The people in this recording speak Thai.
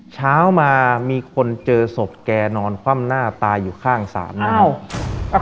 เช้ามามีคนเจอศพแกนอนคว่ำหน้าตายอยู่ข้างศาลนะครับ